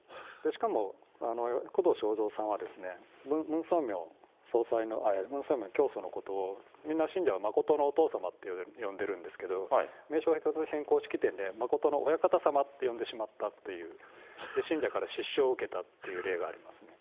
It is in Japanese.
しかも、工藤彰三さんは、ムン・ソンミョン教祖のことをみんな信者は真のお父様って呼んでるんですけれども、名称変更式典で真の親方様って呼んでしまったっていう、信者から失笑を受けたという例がありますね。